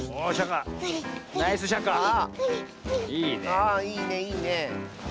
ああいいねいいね。